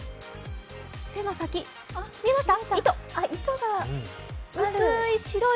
手の先、見えました？